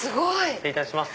失礼いたします。